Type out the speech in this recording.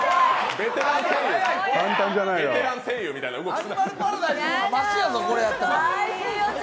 ベテラン声優みたいな動きすな。